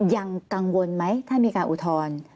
ยังกังวลไหมถ้ามีการอุทธรณ์